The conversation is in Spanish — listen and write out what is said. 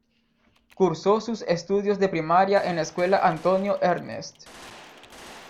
Cursó sus estudios de primaria en la Escuela Antonio Ernest.